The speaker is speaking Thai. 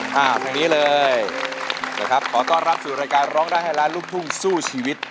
เพลงนี้เลยนะครับขอต้อนรับสู่รายการร้องได้ให้ล้านลูกทุ่งสู้ชีวิต